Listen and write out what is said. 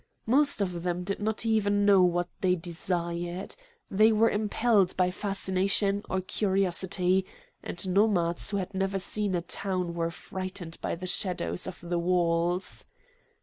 Most of them did not even know what they desired. They were impelled by fascination or curiosity; and nomads who had never seen a town were frightened by the shadows of the walls.